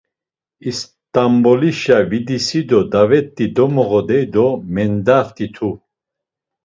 İst̆anbolişa vidisi do davet̆i domoğodey do mendaft̆itu…